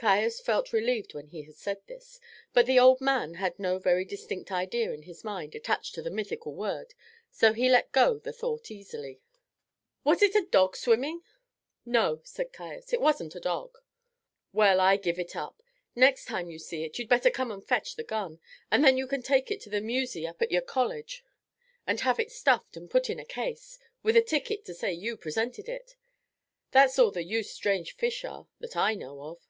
Caius felt relieved when he had said this, but the old man had no very distinct idea in his mind attached to the mythical word, so he let go the thought easily. "Was it a dog swimming?" "No," said Caius, "it wasn't a dog." "Well, I give it up. Next time you see it, you'd better come and fetch the gun, and then you can take it to the musee up at your college, and have it stuffed and put in a case, with a ticket to say you presented it. That's all the use strange fish are that I know of."